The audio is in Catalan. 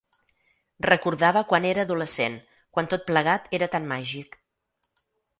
Recordava quan era adolescent, quan tot plegat era tan màgic.